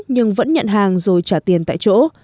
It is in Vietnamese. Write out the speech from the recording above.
nhưng vẫn nhận hàng rồi trả tiền tại chỗ